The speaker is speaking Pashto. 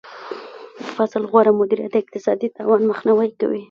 د فصل غوره مدیریت د اقتصادي تاوان مخنیوی کوي.